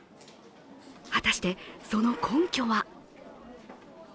果たしてその根拠は？